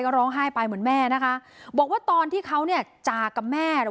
ก็ร้องไห้ไปเหมือนแม่นะคะบอกว่าตอนที่เขาเนี่ยจากกับแม่